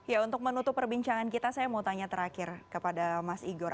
ya untuk menutup perbincangan kita saya mau tanya terakhir kepada mas igor